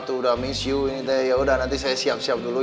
udah miss you ini teh yaudah nanti saya siap siap dulu ya